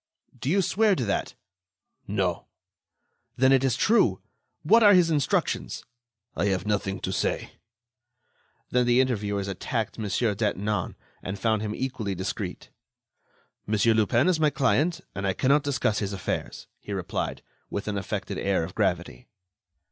"Do you swear to that?" "No." "Then it is true. What are his instructions?" "I have nothing to say." Then the interviewers attacked Mon. Detinan, and found him equally discreet. "Monsieur Lupin is my client, and I cannot discuss his affairs," he replied, with an affected air of gravity.